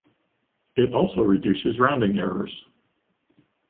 It also reduces rounding errors.